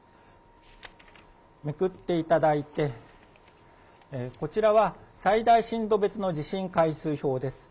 めくっていただいて、こちらは最大震度別の地震回数表です。